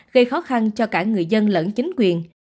gây khó khăn cho cả người dân lẫn chính quyền